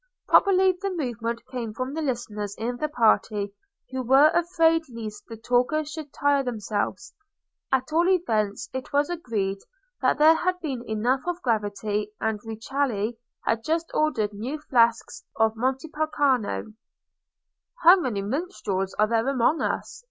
Probably the movement came from the listeners in the party, who were afraid lest the talkers should tire themselves. At all events it was agreed that there had been enough of gravity, and Rucellai had just ordered new flasks of Montepulciano. "How many minstrels are there among us?"